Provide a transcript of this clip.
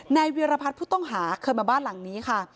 เวียรพัฒน์ผู้ต้องหาเคยมาบ้านหลังนี้ค่ะ